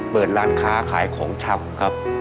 เปิดร้านค้าขายของชำครับ